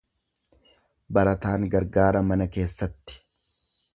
Barataan gargaara mana keessatti.